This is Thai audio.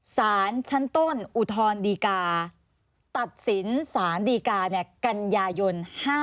สารชั้นต้นอุทธรณดีกาตัดสินสารดีกากันยายน๕๗